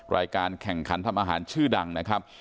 รายการแข่งขันทำอาหารชื่อดังนะครับ